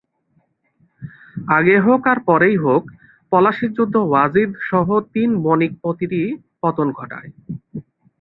আগে হোক আর পরেই হোক, পলাশীর যুদ্ধ ওয়াজিদসহ তিন বণিকপতিরই পতন ঘটায়।